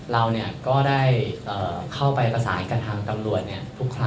เราเนี่ยก็ได้เข้าไปประสานกับทางตำรวจเนี่ย